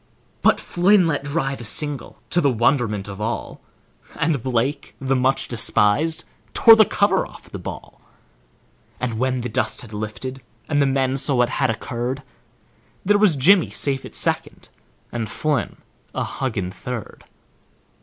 But Flynn let drive a single, to the wonderment of all, And Blake, the much despised, tore the cover off the ball, And when the dust had lifted and men saw what had occurred, There was Jimmy safe at second, and Flynn a huggin' third.